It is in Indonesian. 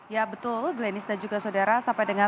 ya betul glenis dan juga saudara